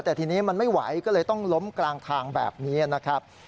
แต่ทีนี้มันไม่ไหวก็เลยต้องล้มกลางทางแบบนี้นะครับ